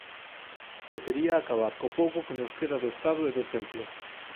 Podería acabar co pouco que nos queda do Estado e do Templo